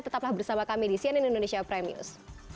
tetaplah bersama kami di cnn indonesia prime news